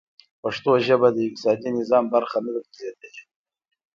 پښتو ژبه د اقتصادي نظام برخه نه ده ګرځېدلې.